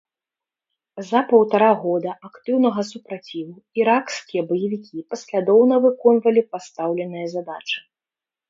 За паўтара года актыўнага супраціву іракскія баевікі паслядоўна выконвалі пастаўленыя задачы.